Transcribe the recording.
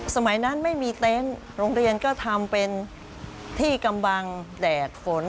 สมัยนั้นไม่มีเต็นต์โรงเรียนก็ทำเป็นที่กำบังแดดฝน